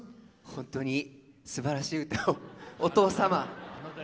本当に、すばらしい歌を。お父様。